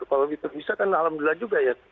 kalau gitu bisa kan alhamdulillah juga ya